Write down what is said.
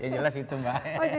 ya jelas gitu mbak